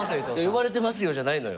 「呼ばれてますよ」じゃないのよ。